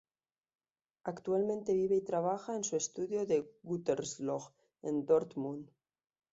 Actualmente vive y trabaja en su estudio en Gütersloh, en Dortmund.